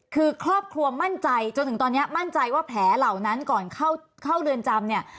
คือครอบครัวมั่นใจจนถึงตอนนี้มั่นใจว่าแผลเหล่านั้นก่อนเข้าเรือนจำเนี่ย